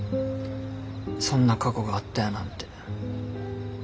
そんな過去があったやなんて。